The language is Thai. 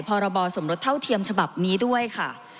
ภศสเท่าเทียมฟสำหรับนี้ด้วยค่ะ